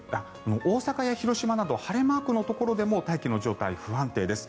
大阪や広島など晴れマークのところでも大気の状態、不安定です。